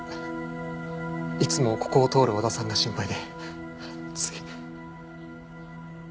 いつもここを通る和田さんが心配でつい。